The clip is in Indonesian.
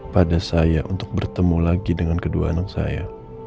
pada saya untuk bertemu lagi dengan kedua anak saya